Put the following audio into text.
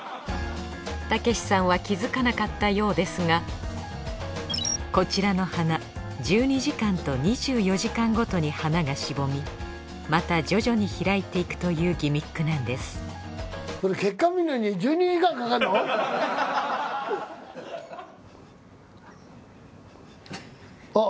たけしさんは気づかなかったようですがこちらの花１２時間と２４時間ごとに花がしぼみまた徐々に開いていくというギミックなんですこれ結果あっ！